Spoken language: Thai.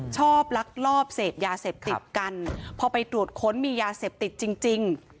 ลักลอบเสพยาเสพติดกันพอไปตรวจค้นมียาเสพติดจริง